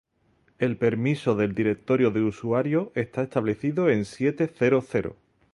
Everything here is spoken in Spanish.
el permiso del directorio de usuario está establecido en siete cero cero